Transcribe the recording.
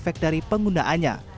efek dari penggunaannya